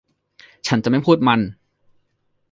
ฉันจะไม่พูดมัน